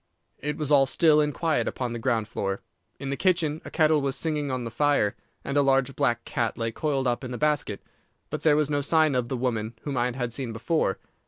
"It was all still and quiet upon the ground floor. In the kitchen a kettle was singing on the fire, and a large black cat lay coiled up in the basket; but there was no sign of the woman whom I had seen before.